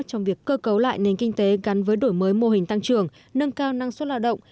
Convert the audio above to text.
trong việc cơ cấu lại nền kinh tế gắn với đổi mới mô hình tăng trưởng nâng cao năng suất lao động